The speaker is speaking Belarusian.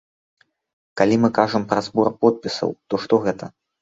Калі мы кажам пра збор подпісаў, то што гэта?